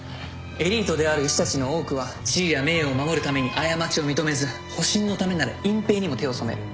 エリートである医師たちの多くは地位や名誉を守るために過ちを認めず保身のためなら隠蔽にも手を染める。